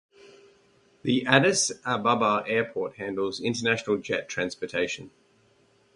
The Addis Ababa Airport handles international jet transportation.